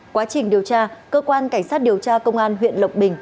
quá trình điều tra cơ quan cảnh sát điều tra công an huyện lộc bình